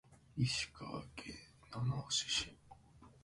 石川県野々市市